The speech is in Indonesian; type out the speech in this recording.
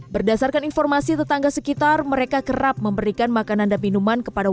berdasarkan informasi tetangga sekitar mereka kerap memberikan makanan dan minuman kepada